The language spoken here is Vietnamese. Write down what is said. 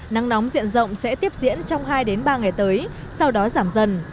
nắng nóng diện rộng sẽ tiếp diễn trong hai ba ngày tới sau đó giảm dần